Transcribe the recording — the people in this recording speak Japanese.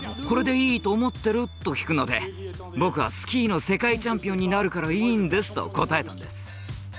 これでいいと思ってる？」と聞くので「僕はスキーの世界チャンピオンになるからいいんです」と答えたんです。